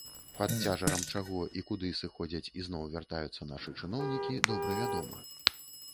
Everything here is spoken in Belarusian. Пад цяжарам чаго і куды сыходзяць і зноў вяртаюцца нашы чыноўнікі, добра вядома.